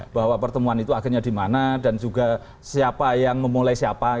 bahwa pertemuan itu akhirnya di mana dan juga siapa yang memulai siapa